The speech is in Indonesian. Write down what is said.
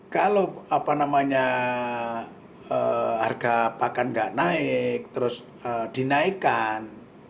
kalau apa namanya harga pakan tidak naik terus dinaikkan